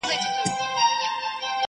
دایمی به یې وي برخه له ژوندونه!!!!!